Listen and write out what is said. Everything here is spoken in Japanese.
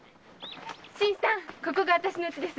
新さんここが私の家です。